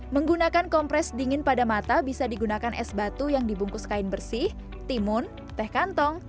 menggunakan kompres dingin pada mata bisa digunakan es batu yang dibungkus kain bersih timun teh kantong